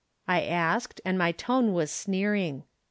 " I asked, and my tone was sneering.